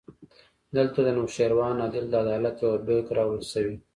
دلته د نوشیروان عادل د عدالت یوه بېلګه راوړل شوې.